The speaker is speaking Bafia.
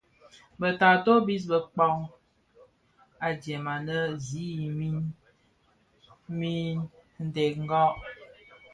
Bë taato bis bekpag adyèm annë zi i niň niñdènga.